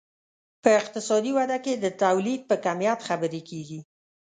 په اقتصادي وده کې د تولید په کمیت خبرې کیږي.